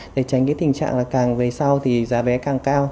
để tránh cái tình trạng là càng về sau thì giá vé càng cao